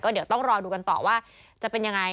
เดี๋ยวต้องรอดูกันต่อว่าจะเป็นยังไง